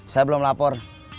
saya belum lapor